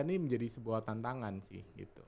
ini menjadi sebuah tantangan sih